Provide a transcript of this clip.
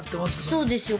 そうですよ。